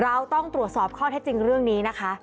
เราต้องตรวจสอบข้อเท็จจริงเรื่องนี้นะคะ